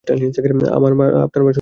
আপনার মা সুন্দরী ছিলেন।